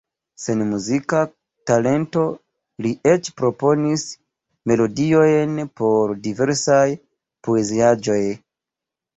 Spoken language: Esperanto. Sen muzika talento li eĉ proponis melodiojn por diversaj poeziaĵoj.